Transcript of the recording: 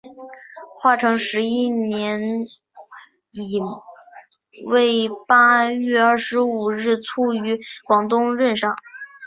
成化十一年乙未八月二十五日卒于广州任上。